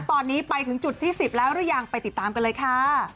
ตอนนี้ไปถึงจุดที่๑๐แล้วหรือยังไปติดตามกันเลยค่ะ